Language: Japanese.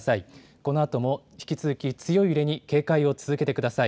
このあとも引き続き強い揺れに警戒を続けてください。